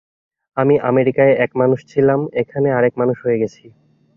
আমি আমেরিকায় এক মানুষ ছিলাম, এখানে আর এক মানুষ হয়ে গেছি।